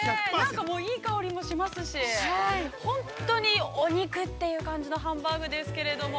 いい香りもしますし、本当にお肉という感じのハンバーグですけれども。